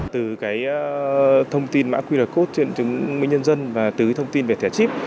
từ cái thông tin mã qr code truyền chứng minh nhân dân và từ cái thông tin về thẻ chip